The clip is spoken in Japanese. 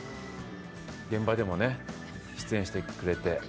現場でもね出演してくれて。